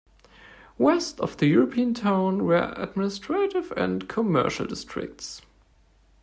West of the European Town were administrative and commercial districts.